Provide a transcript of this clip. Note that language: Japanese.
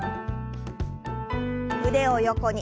腕を横に。